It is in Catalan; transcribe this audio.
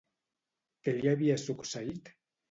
Què li havia succeït?